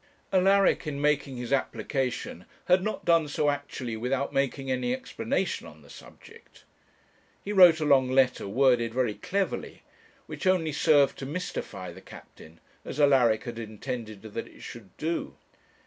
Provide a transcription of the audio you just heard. Alaric in making his application had not done so actually without making any explanation on the subject. He wrote a long letter, worded very cleverly, which only served to mystify the captain, as Alaric had intended that it should do.